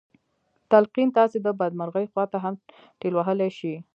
تلقين تاسې د بدمرغۍ خواته هم ټېل وهلی شي.